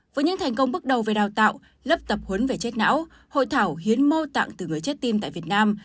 với những thành công bước đầu về đào tạo lớp tập huấn về chết não hội thảo hiến mô tạng từ người chết tim tại việt nam